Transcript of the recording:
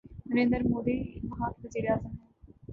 نریندر مودی وہاں کے وزیر اعظم ہیں۔